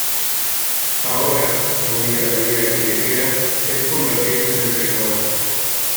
Ahora, la única salida que le queda es convertirse en entrenador.